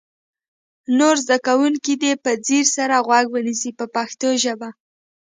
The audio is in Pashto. نور زده کوونکي دې په ځیر سره غوږ ونیسي په پښتو ژبه.